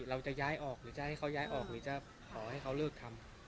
เราจะย้ายออกหรือจะให้เขาย้ายออกหรือจะขอให้เขาเลิกทำ